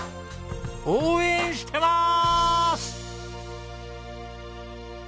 応援してまーす！